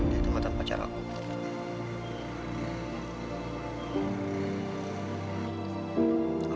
dia cuma tanpa pacar aku